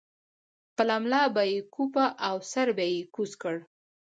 خپله ملا به یې کوپه او سر به یې کوز کړ.